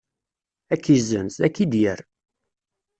Ad k-izzenz, ad k-id-yerr.